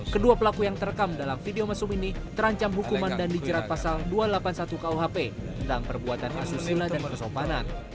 kedua pelaku yang terekam dalam video mesum ini terancam hukuman dan dijerat pasal dua ratus delapan puluh satu kuhp tentang perbuatan asusila dan kesopanan